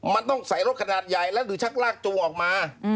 มันต้องใส่รถขนาดใหญ่แล้วหรือชักลากตัวออกมา